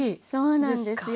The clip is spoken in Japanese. そうなんですよ